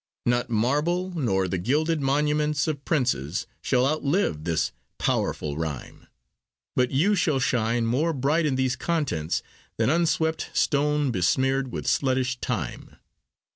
Not marble, nor the gilded monuments Of princes, shall outlive this powerful rhyme; But you shall shine more bright in these contents Than unswept stone besmear'd with sluttish time.